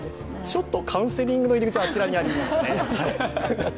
ちょっとカウンセリングの入り口あちらにありますね。